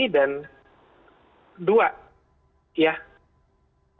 dan kedua ya apa yang harus terjadi saya bisa keluar dengan sehat atau saya keluar tinggal